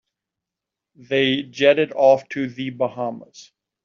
They jetted off to the Bahamas.